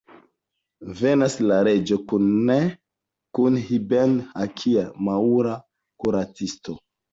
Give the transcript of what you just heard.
Venas la reĝo kune kun Ibn-Hakia, maŭra kuracisto.